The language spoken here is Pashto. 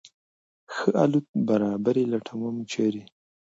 ښه الوت برابري لټوم ، چېرې ؟